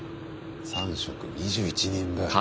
３食２１人分。